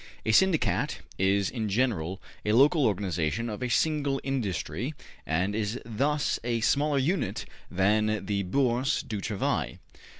A Syndicat is in general a local organization of a single industry, and is thus a smaller unit than the Bourse du Travail.